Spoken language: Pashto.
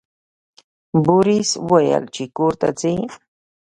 بوریس وویل چې کور ته ځئ.